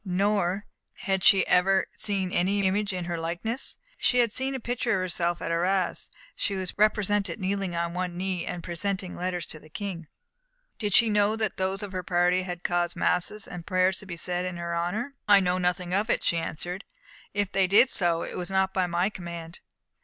No, nor had she ever seen any image in her likeness. She had seen a picture of herself at Arras. She was represented kneeling on one knee, and presenting letters to the King. Did she know that those of her party had caused masses and prayers to be said in her honour? "I know nothing of it," she answered, "and if they did so, it was not by my command.